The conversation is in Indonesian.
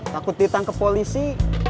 takut ditangke polisi